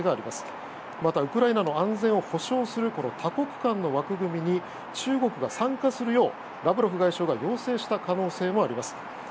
またウクライナの安全を保障する多国間の枠組みに中国が参加するようラブロフ外相が要請した可能性もあります。